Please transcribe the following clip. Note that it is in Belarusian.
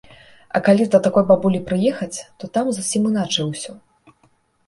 А калі да такой бабулі прыехаць, то там зусім іначай усё.